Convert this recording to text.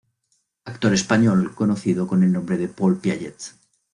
Actor español conocido con el nombre de Paul Piaget.